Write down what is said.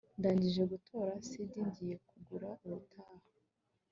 ndangije gutora cd ngiye kugura ubutaha